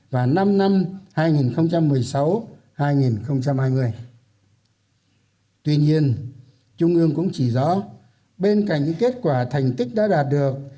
và năm năm hai nghìn một mươi sáu hai nghìn hai mươi tuy nhiên trung ương cũng chỉ rõ bên cạnh những kết quả thành tích đã đạt được